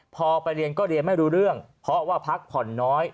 พอไปเรียนก็เรียนไม่รู้เรื่องเพราะว่าพักผ่อนน้อย